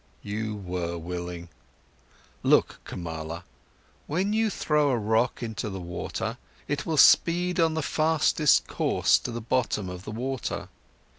"You were willing. Look, Kamala: When you throw a rock into the water, it will speed on the fastest course to the bottom of the water.